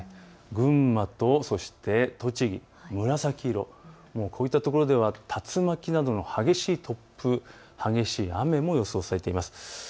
群馬と栃木、紫色、こういった所では竜巻などの激しい突風、激しい雨も予想されています。